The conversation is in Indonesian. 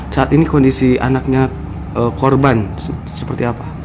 saat ini kondisi anaknya korban seperti apa